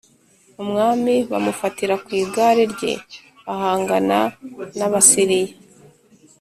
Umwami bamufatira ku igare rye ahangana n’Abasiriya